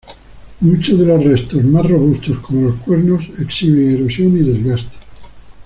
Muchos de los restos más robustos, como los cuernos, exhiben erosión y desgaste.